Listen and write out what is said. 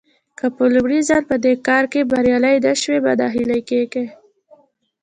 که په لومړي ځل په دې کار کې بريالي نه شوئ مه ناهيلي کېږئ.